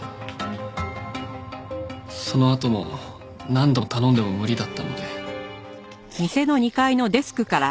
そのあとも何度頼んでも無理だったので。